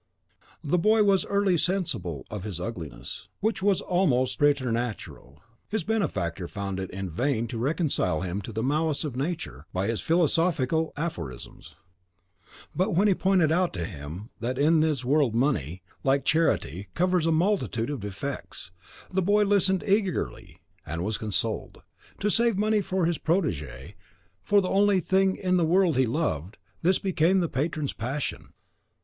The boy was early sensible of his ugliness, which was almost preternatural. His benefactor found it in vain to reconcile him to the malice of Nature by his philosophical aphorisms; but when he pointed out to him that in this world money, like charity, covers a multitude of defects, the boy listened eagerly and was consoled. To save money for his protege, for the only thing in the world he loved, this became the patron's passion.